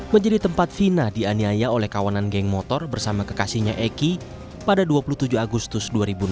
menjadi tempat fina dianiaya oleh kawanan geng motor bersama kekasihnya eki pada dua puluh tujuh agustus dua ribu dua puluh